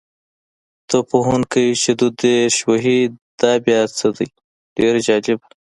توپ وهونکی چې دوه دېرش وهي دا بیا څه دی؟ ډېر جالبه.